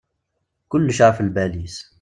Kulec ɣef lbal-is.